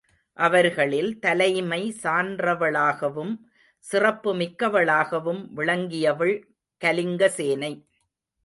அவர்களில் தலைமை சான்றவளாகவும் சிறப்பு மிக்கவளாகவும் விளங்கியவள் கலிங்கசேனை.